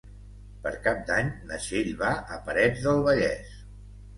Per Cap d'Any na Txell va a Parets del Vallès.